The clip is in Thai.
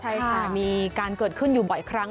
ใช่ค่ะมีการเกิดขึ้นอยู่บ่อยครั้ง